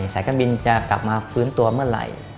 สายการบินจะกลับมาฟื้นตัวเมื่อไหร่